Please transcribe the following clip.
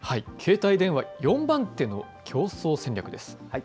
携帯電話４番手の競争戦略です。